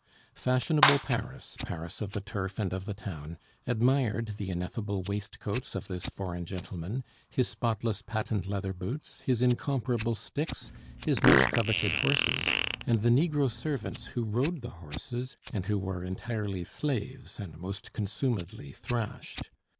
Fashionable Paris, Paris of the turf and of the town, admired the ineffable waistcoats of this foreign gentleman, his spotless patent leather boots, his incomparable sticks, his much coveted horses, and the negro servants who rode the horses and who were entirely slaves and most consumedly thrashed.